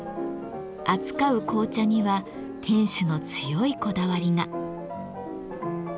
扱う紅茶には店主の強いこだわりが。